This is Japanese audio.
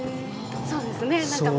そうですね。